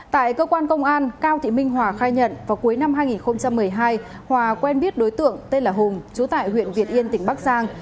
tại cơ quan công an cao thị minh hòa khai nhận vào cuối năm hai nghìn một mươi hai hòa quen biết đối tượng tên là hùng chú tại huyện việt yên tỉnh bắc giang